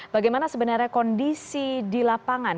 bagaimana sebenarnya kondisi di lapangan